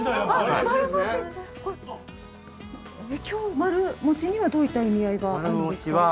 丸餅にはどういった意味合いがあるんですか？